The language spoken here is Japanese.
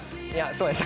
そうです。